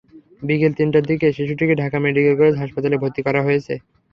বিকেল তিনটার দিকে শিশুটিকে ঢাকা মেডিকেল কলেজ হাসপাতালে ভর্তি করা হয়েছে।